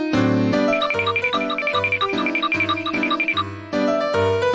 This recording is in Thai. สวัสดีค่ะ